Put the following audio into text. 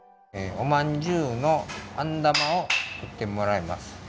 おまんじゅうのあんだまを作ってもらいます。